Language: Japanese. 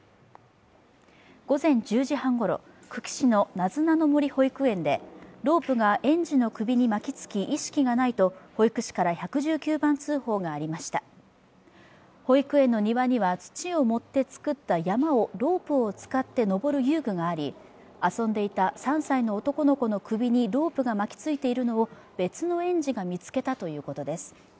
午前１０時半ごろ、久喜市のなずなの森保育園でロープが園児の首に巻きつき、意識がないと保育士から１１９番通報がありました保育園の庭には土を盛って作った山をロープを使って登る遊具があり遊んでいた３歳の男の子の首にロープが巻きついているのを別の園児が見つけたということです。